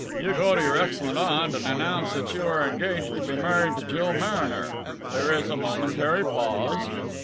You go to your excellent aunt and announce that you are engaged to be married to Jill Mariner. There is a momentary pause.